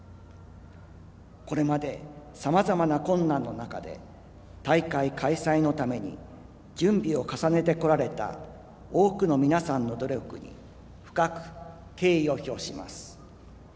これまで、様々な困難の中で大会開催のために準備を重ねてこられた多くの皆さんの努力に深く敬意を表します。